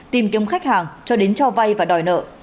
tìm kiếm khách hàng cho đến cho vay và đòi nợ